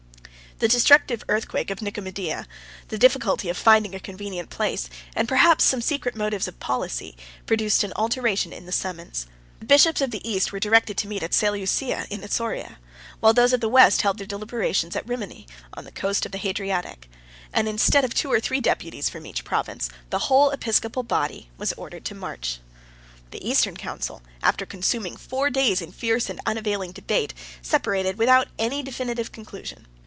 The destructive earthquake of Nicomedia, the difficulty of finding a convenient place, and perhaps some secret motives of policy, produced an alteration in the summons. The bishops of the East were directed to meet at Seleucia, in Isauria; while those of the West held their deliberations at Rimini, on the coast of the Hadriatic; and instead of two or three deputies from each province, the whole episcopal body was ordered to march. The Eastern council, after consuming four days in fierce and unavailing debate, separated without any definitive conclusion.